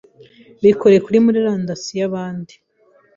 bikorewe kuri murandasi n’ayandi.